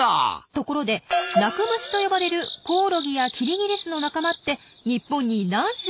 ところで鳴く虫と呼ばれるコオロギやキリギリスの仲間って日本に何種いるか知ってます？